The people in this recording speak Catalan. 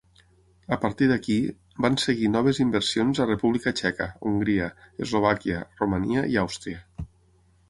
A partir d'aquí, van seguir noves inversions a República Txeca, Hongria, Eslovàquia, Romania i Àustria.